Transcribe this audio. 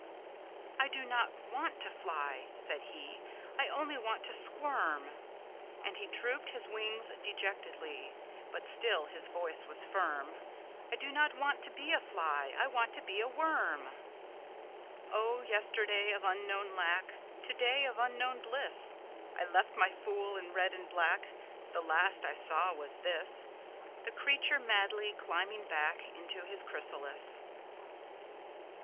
"I do not want to fly," said he,"I only want to squirm!"And he drooped his wings dejectedly, But still his voice was firm:"I do not want to be a fly!I want to be a worm!O yesterday of unknown lackTo day of unknown bliss!I left my fool in red and black; The last I saw was this,—The creature madly climbing backInto his chrysalis.